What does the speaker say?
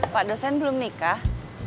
pak dosen belum nikah